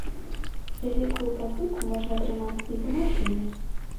Вялікую пазыку можна атрымаць і за машыну.